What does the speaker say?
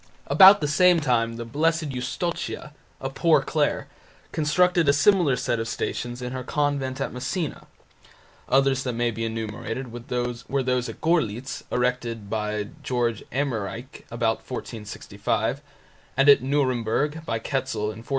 About the same time the Blessed Eustochia, a poor Clare, constructed a similar set of Stations in her convent at Messina. Others that may be enumerated were those at Görlitz, erected by G. Emmerich, about 1465, and at Nuremburg, by Ketzel, in 1468.